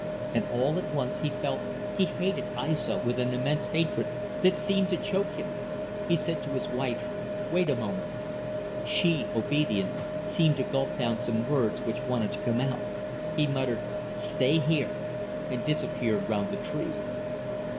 . And all at once he felt he hated Aissa with an immense hatred that seemed to choke him. He said to his wife "Wait a moment." She, obedient, seemed to gulp down some words which wanted to come out. He muttered: "Stay here," and disappeared round the tree.